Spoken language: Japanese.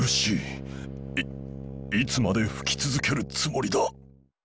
いいつまでふきつづけるつもりだ。